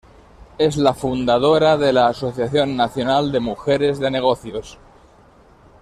Es la fundadora de la Asociación Nacional de Mujeres de Negocios.